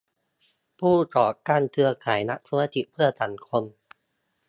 ผู้ก่อตั้งเครือข่ายนักธุรกิจเพื่อสังคม